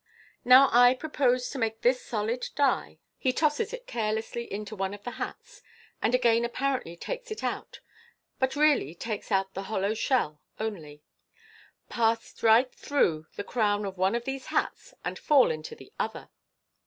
" Now I propose to make this solid die " (he tosses it carelessly into one of the hats, and again apparently takes it out, but really takes out the hollow shell only) " pass right through the crown of one of these hats, and fall into the other."